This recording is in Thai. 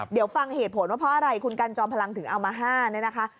เดี๋ยวฟังเหตุผลว่าเพราะอะไรคุณกันจอมพลังถึงเอามา๕เนี่ยนะคะ